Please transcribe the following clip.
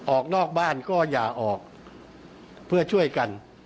ออกนอกบ้านก็อย่าออกเพื่อช่วยกัน